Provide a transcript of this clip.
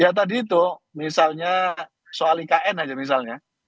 ya tadi itu misalnya soal ikn aja misalnya